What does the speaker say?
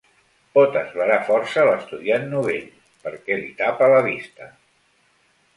Pot esverar força l'estudiant novell, perquè li tapa la vista.